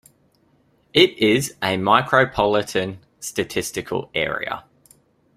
It is a Micropolitan Statistical area.